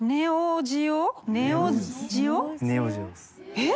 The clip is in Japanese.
えっ？